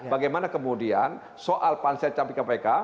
bagaimana kemudian soal pansel capi kpk